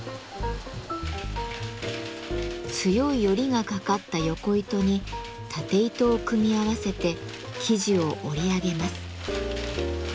強いヨリがかかったヨコ糸にタテ糸を組み合わせて生地を織り上げます。